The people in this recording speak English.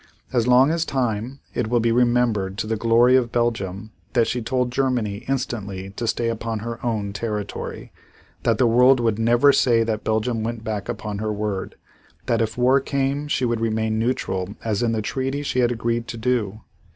As long as time, it will be remembered to the glory of Belgium that she told Germany instantly to stay upon her own territory; that the world would never say that Belgium went back upon her word; that if war came she would remain neutral as in the treaty she had agreed to do.